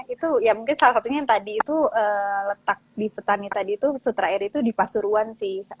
itu ya mungkin salah satunya yang tadi itu letak di petani tadi itu sutra air itu di pasuruan sih